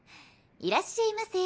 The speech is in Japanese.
いらっしゃいませ。